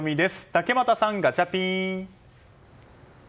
竹俣さん、ガチャピン！